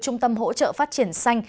trung tâm hỗ trợ phát triển xanh